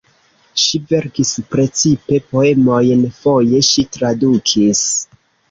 Ŝi verkis precipe poemojn, foje ŝi tradukis.